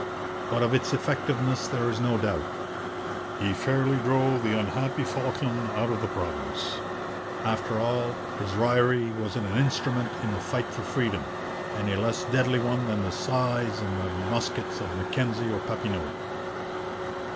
But of its effectiveness there is no doubt. He fairly drove the unhappy Falkland out of the province. After all, his raillery was an instrument in the fight for freedom, and a less deadly one than the scythes and muskets of Mackenzie or Papineau.